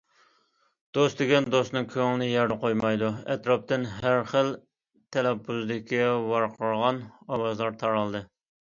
دوست دېگەن دوستىنىڭ كۆڭلىنى يەردە قويمايدۇ... ئەتراپتىن ھەر خىل تەلەپپۇزدىكى ۋارقىرىغان ئاۋازلار تارالدى.